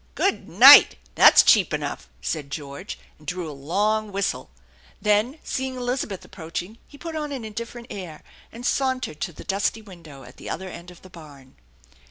"Good night! That's cheap enough!" said George, and drew a long whistle. Then, seeing Elizabeth approaching, he put on an indifferent air, and sauntered to the dusty window at the other end of the barn.